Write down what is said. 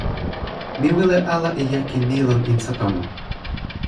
mi wile ala e jaki ni lon insa tomo.